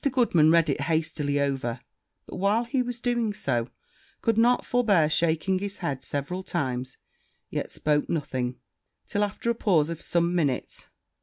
Goodman read it hastily over; but, while he was doing so, could not forbear shaking his head several times; yet spoke nothing till after a pause of some minutes.